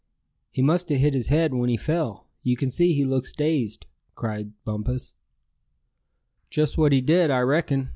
"He must a hit his head when he fell; you c'n see he looks dazed!" cried Bumpus. "Just what he did, I reckon!"